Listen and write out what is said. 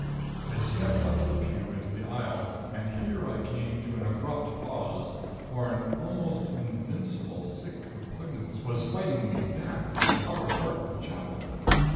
I stepped out of the pew into the aisle, and here I came to an abrupt pause, for an almost invincible, sick repugnance was fighting me back from the upper part of the Chapel.